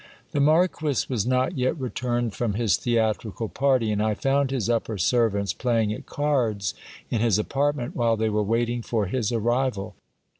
The marquis was not yet returned from his theatrical party, and I found his upper servants playing at cards in his apartment while they were waiting for his arrival.